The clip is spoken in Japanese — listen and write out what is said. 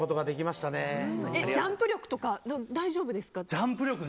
ジャンプ力とか大丈夫ですか。